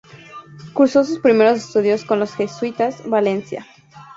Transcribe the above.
Cursó sus primeros estudios con los jesuitas Valencia.